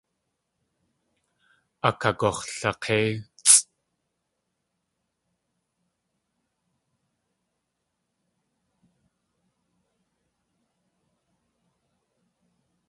Akagux̲lak̲éitsʼ.